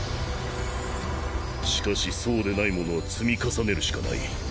しかしそうでない者は積み重ねるしかない。